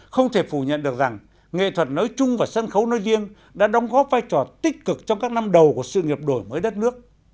không thể phủ nhận được rằng nghệ thuật nói chung và sân khấu nói riêng đã đóng góp vai trò tích cực trong các năm đầu của sự nghiệp đổi mới đất nước